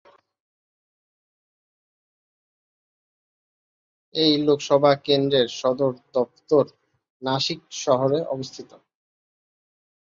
এই লোকসভা কেন্দ্রের সদর দফতর নাসিক শহরে অবস্থিত।